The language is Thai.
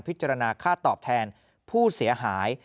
พิจารณาค่าตอบแทนผู้เสียหาย